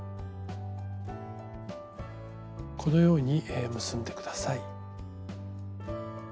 このように結んで下さい。